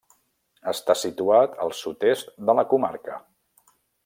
Està situat al sud-est de la comarca.